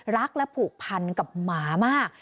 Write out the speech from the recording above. รักและผูกพันกับหมามาก